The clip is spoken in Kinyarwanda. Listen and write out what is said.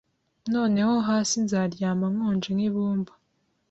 Noneho hasi nzaryama nkonje nkibumba